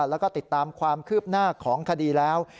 แล้วก็ติดตามความคืบหน้าของคดีแล้ว